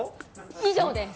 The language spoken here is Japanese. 以上です。